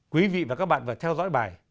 quý vị và các bạn vừa theo dõi bài